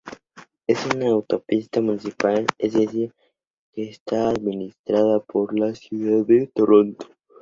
Es una autopista municipal, es decir, que está administrada por la ciudad de Toronto.